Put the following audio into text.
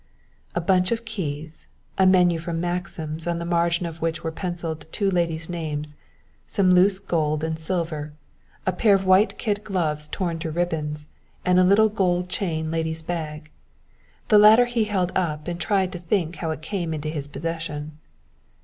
A bunch of keys, a menu from Maxim's on the margin of which were pencilled two ladies' names some loose gold and silver a pair of white kid gloves torn to ribbons, and a little gold chain lady's bag. This latter he held up and tried to think how it came into his possession.